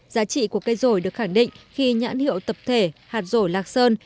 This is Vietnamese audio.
giá trị của cây rổi được khẳng định khi nhãn hiệu tập thể hạt rổi lạc sơn